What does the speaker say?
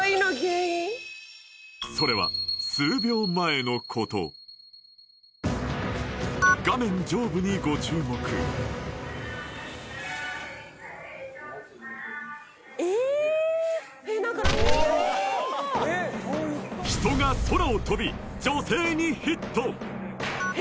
それは数秒前のこと人が空を飛び女性にヒット！